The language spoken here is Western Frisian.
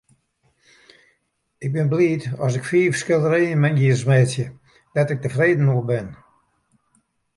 Ik bin bliid as ik fiif skilderijen jiers meitsje dêr't ik tefreden oer bin.